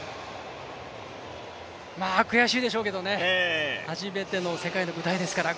悔しいでしょうけどね、初めての世界の舞台ですから